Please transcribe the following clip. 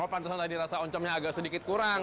oh pansel tadi rasa oncomnya agak sedikit kurang